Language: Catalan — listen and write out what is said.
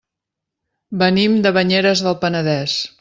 Venim de Banyeres del Penedès.